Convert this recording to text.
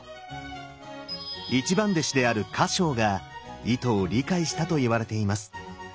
一番弟子である葉が意図を理解したといわれています。